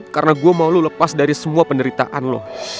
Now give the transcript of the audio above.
karena gue mau lo lepas dari semua penderitaan lo